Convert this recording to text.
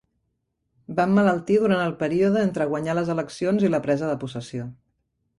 Va emmalaltir durant el període entre guanyar les eleccions i la presa de possessió.